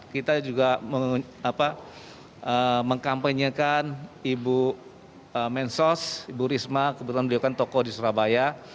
kita juga mengkampanyekan ibu mensos ibu risma kebetulan beliukan toko di surabaya